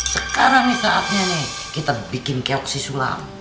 sekarang nih saatnya nih kita bikin keok si sulam